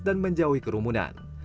dan menjauhi kerumunan